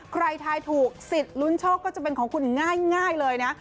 ทายถูกสิทธิ์ลุ้นโชคก็จะเป็นของคุณง่ายเลยนะ